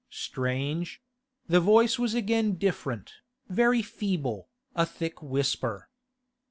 Strange; the voice was again different, very feeble, a thick whisper.